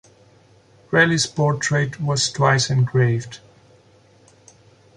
Relly's portrait was twice engraved.